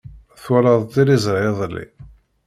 Twalaḍ tiliẓri iḍelli.